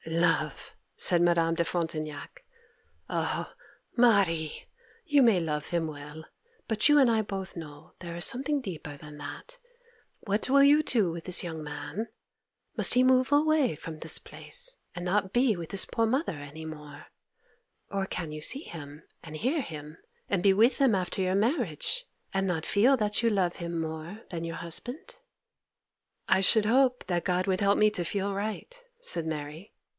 'Love!' said Madame de Frontignac. 'Oh, Marie! you may love him well, but you and I both know that there is something deeper than that! What will you do with this young man? Must he move away from this place, and not be with his poor mother any more? Or can you see him, and hear him, and be with him after your marriage, and not feel that you love him more than your husband?' 'I should hope that God would help me to feel right,' said Mary.